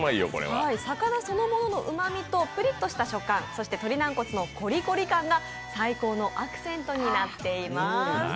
魚そのもののおいしさと、ぷりっとした食感、そして軟骨のコリコリ感が最高のアクセントとなっています。